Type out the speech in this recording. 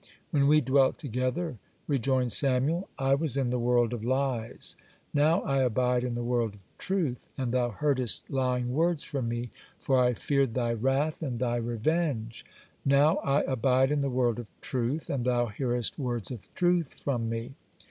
(76) "When we dwelt together," rejoined Samuel, "I was in the world of lies. Now I abide in the world of truth, and thou heardest lying words from me, for I feared thy wrath and thy revenge. Now I abide in the world of truth, and thou hearest words of truth from me.